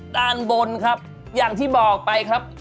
ด้านบนครับอย่างที่บอกไปครับ